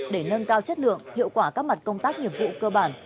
để nâng cao chất lượng hiệu quả các mặt công tác nghiệp vụ cơ bản